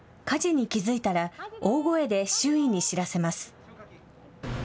火事に気付いたら大声で周囲に知らせます。